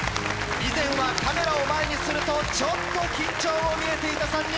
以前はカメラを前にするとちょっと緊張も見えていた３人。